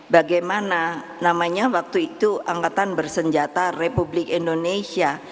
bagaimana namanya waktu itu angkatan bersenjata republik indonesia